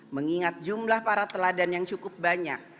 mengingat jumlah para teladan yang cukup banyak